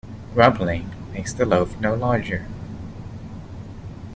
Grumbling makes the loaf no larger.